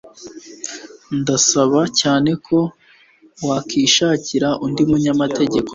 Ndasaba cyane ko wakwishakira undi munyamategeko